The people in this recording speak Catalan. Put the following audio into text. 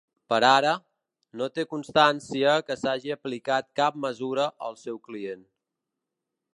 Per ara, no té constància que s’hagi aplicat cap mesura al seu client.